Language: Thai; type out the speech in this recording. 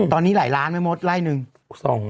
ตอนนี้หลายล้านไหมมดไล่หนึ่ง